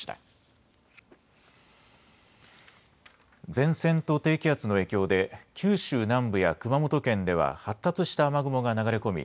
前線と低気圧の影響で九州南部や熊本県では発達した雨雲が流れ込み